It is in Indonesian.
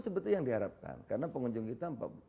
sebetulnya yang diharapkan karena pengunjung kita